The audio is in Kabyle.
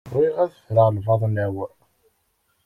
Bɣiɣ ad ffreɣ lbaḍna-w.